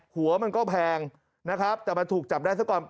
หัวมันก็แพงนะครับแต่มาถูกจับได้ซะก่อน